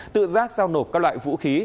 tự giác giao nộp các loại vũ khí